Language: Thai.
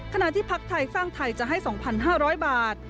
ที่พักไทยสร้างไทยจะให้๒๕๐๐บาท